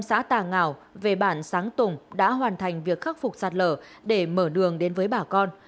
xã tà ngạo về bản sáng tùng đã hoàn thành việc khắc phục sạt lở để mở đường đến với bà con